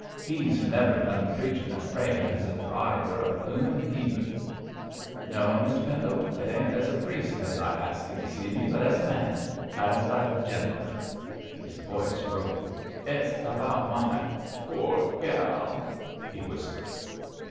He's never done preachin' and prayin' as if I were a bloomin' 'eathen. No, Mr Pendle, it ain't as a priest as I asked y' t' see me, but as a man as a gentleman!' His voice broke. 'It's about my poor gal,' he whispered.